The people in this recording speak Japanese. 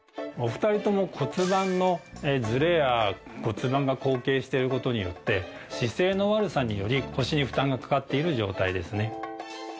お二人とも骨盤のズレや骨盤が後傾してる事によって姿勢の悪さにより腰に負担がかかっている状態ですね。